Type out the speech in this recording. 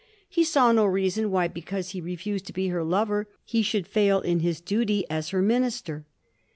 He saw no reason why, because he refused to be her lover, he should fail in his duty as her minister.